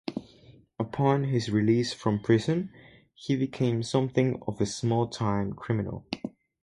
Upon his release from prison he became something of a small-time criminal.